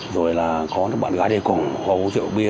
rồi là có những bạn gái đầy cổng có uống rượu bia